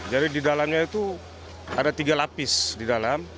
jadi di dalamnya itu ada tiga lapis di dalam